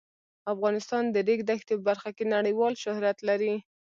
افغانستان د د ریګ دښتې په برخه کې نړیوال شهرت لري.